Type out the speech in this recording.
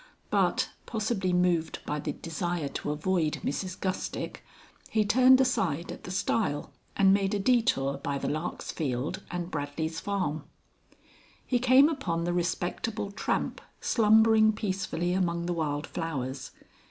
But possibly moved by the desire to avoid Mrs Gustick he turned aside at the stile and made a detour by the Lark's Field and Bradley's Farm. He came upon the Respectable Tramp slumbering peacefully among the wild flowers.